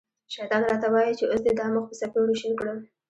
شیطان را ته وايي چې اوس دې دا مخ په څپېړو شین کړم.